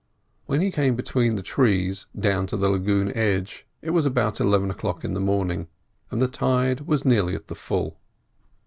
When he came between the trees down to the lagoon edge it was about eleven o'clock in the morning, and the tide was nearly at the full.